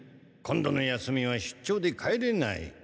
今度の休みは出張で帰れない。